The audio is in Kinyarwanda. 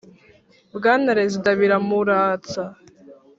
Bwana Rezida biramuratsa